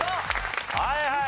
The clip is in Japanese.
はいはい。